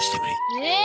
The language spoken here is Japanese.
え？